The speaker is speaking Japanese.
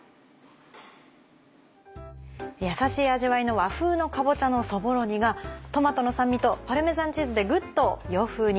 優しい味わいの和風のかぼちゃのそぼろ煮がトマトの酸味とパルメザンチーズでグッと洋風に。